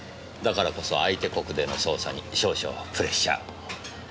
だからこそ相手国での捜査に少々プレッシャー。